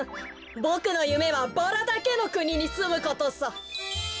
ボクのゆめはバラだけのくににすむことさ。